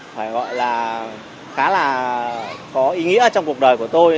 phải gọi là khá là có ý nghĩa trong cuộc đời của tôi